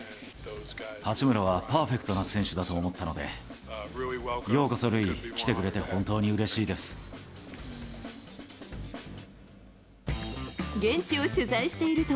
八村はパーフェクトな選手だと思ったので、ようこそ塁、来てくれ現地を取材していると、